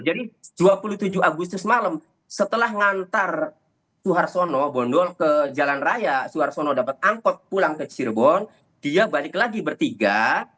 jadi dua puluh tujuh agustus malam setelah mengantar suharsono bondol ke jalan raya suharsono dapat angkot pulang ke cirebon dia balik lagi bertiga